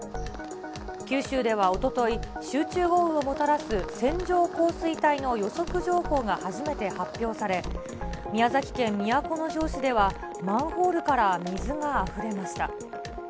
九州ではおととい、集中豪雨をもたらす線状降水帯の予測情報が初めて発表され、宮崎県都城市ではマンホールから水があふれました。